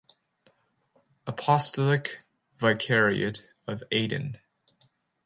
Apostolic Vicariate of Aden.